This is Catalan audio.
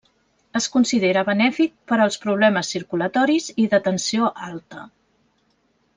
Es considera benèfic per als problemes circulatoris i de tensió alta.